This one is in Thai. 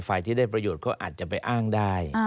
ฝ่ายที่ได้ประโยชน์ก็อาจจะไปอ้างได้